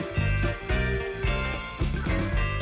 hẹn gặp lại